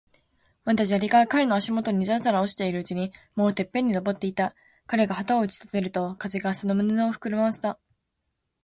まだ砂利が彼の足もとにざらざら落ちているうちに、もうてっぺんに登っていた。彼が旗を打ち立てると、風がその布をふくらませた。